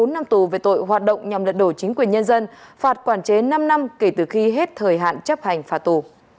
bốn năm tù về tội hoạt động nhằm lật đổ chính quyền nhân dân phạt quản chế năm năm kể từ khi hết thời hạn chấp hành phạt tù